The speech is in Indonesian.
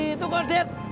itu kok det